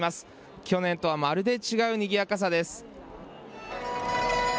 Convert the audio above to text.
去年とはまるで違うにぎやかさです。